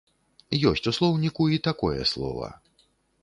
Ёсць у слоўніку і такое слова.